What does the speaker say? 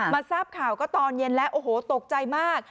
ทราบข่าวก็ตอนเย็นแล้วโอ้โหตกใจมาก